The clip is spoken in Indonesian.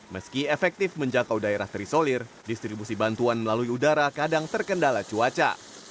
meski efektif menjangkau daerah terisolir distribusi bantuan melalui udara kadang terkendala cuaca